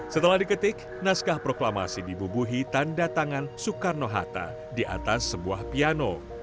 setelah diketik naskah proklamasi dibubuhi tanda tangan soekarno hatta di atas sebuah piano